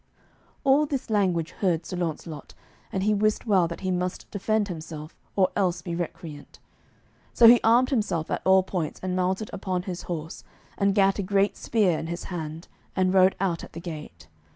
All this language heard Sir Launcelot, and he wist well that he must defend himself, or else be recreant. So he armed himself at all points, and mounted upon his horse, and gat a great spear in his hand, and rode out at the gate.